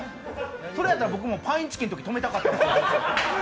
それやったら、僕もパインチキンで止めたかった。